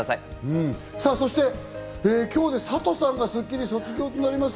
そして今日でサトさんが『スッキリ』卒業となります。